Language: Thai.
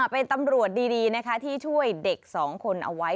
เป็นตำรวจดีนะคะที่ช่วยเด็กสองคนเอาไว้